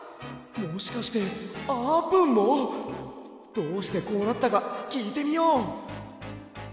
どうしてこうなったかきいてみよう！